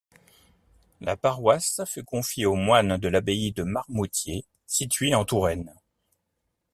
La paroisse fut confiée aux moines de l'Abbaye de Marmoutier située en Touraine.